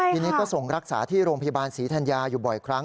ทีนี้ก็ส่งรักษาที่โรงพยาบาลศรีธัญญาอยู่บ่อยครั้ง